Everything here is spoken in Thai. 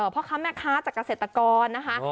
พ่อค้าแม่ค้าจากเกษตรกรนะคะ